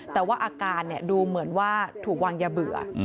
แต่ว่าอาการดูเหมือนว่าถูกวางยาเบื่อ